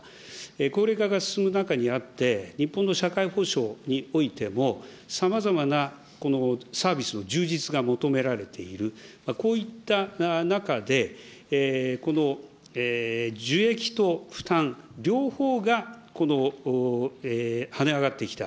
高齢化が進む中にあって、日本の社会保障においても、さまざまなこのサービスの充実が求められている、こういった中で、この受益と負担、両方がはね上がってきた。